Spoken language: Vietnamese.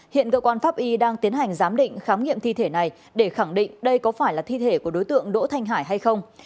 hiện cơ quan pháp y đang tiến hành giám định khám nghiệm thi thể này để khẳng định đây có phải là thi thể của đối tượng đỗ thanh hải hay không